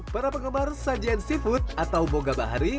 para penggemar sajian seafood atau moga bahari